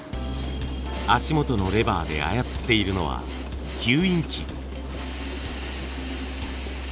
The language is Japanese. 足元のレバーで操っているのは吸引器。